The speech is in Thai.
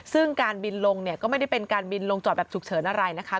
ซึ่งการบินลงเนี่ยก็ไม่ได้เป็นการบินลงจอดแบบฉุกเฉินอะไรนะคะ